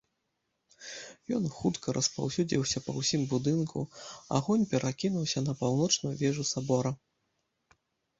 Ён хутка распаўсюдзіўся па ўсім будынку, агонь перакінуўся на паўночную вежу сабора.